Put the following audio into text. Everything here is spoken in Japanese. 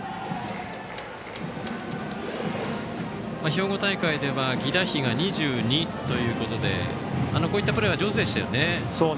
兵庫大会では犠打飛が２２ということでこういったプレーは上手でしたね。